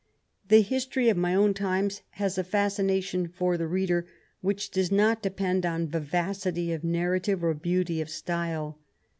The History of My Own Times has a fascination for the reader which does not depend on vivacity of narra tive or beauty of style.